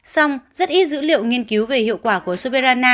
xong rất ít dữ liệu nghiên cứu về hiệu quả của soberana hai